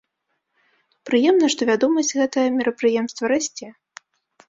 Прыемна, што вядомасць гэтага мерапрыемства расце.